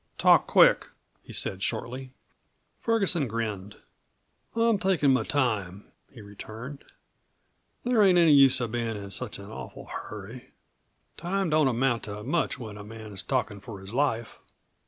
"Talk quick!" he said shortly. Ferguson grinned. "I'm takin' my time," he returned. "There ain't any use of bein' in such an awful hurry time don't amount to much when a man's talkin' for his life.